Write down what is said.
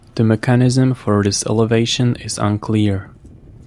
The mechanism for this elevation is unclear.